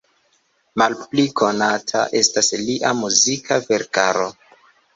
Malpli konata estas lia muzika verkaro.